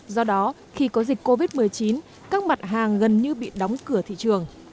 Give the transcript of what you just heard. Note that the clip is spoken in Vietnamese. do đó khi có dịch covid một mươi chín các mặt hàng gần như bị đóng cửa thị trường